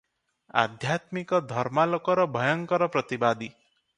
ଆଧ୍ୟାତ୍ମିକ ଧର୍ମାଲୋକର ଭୟଙ୍କର ପ୍ରତିବାଦୀ ।